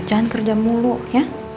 jangan kerja mulu ya